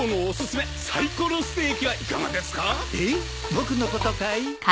僕のことかい？